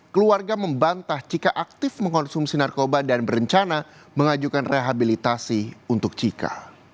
keluarga membantah jika aktif mengkonsumsi narkoba dan berencana mengajukan rehabilitasi untuk cika